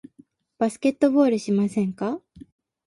バスケットボールしませんか？